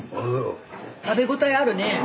食べ応えあるね。